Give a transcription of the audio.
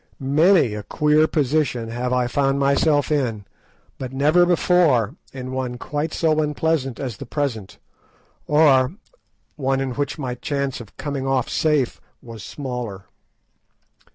Many a queer position have I found myself in, but never before in one quite so unpleasant as the present, or one in which my chance of coming off safe was smaller.